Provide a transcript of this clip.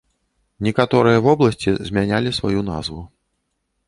Некаторыя вобласці змянялі сваю назву.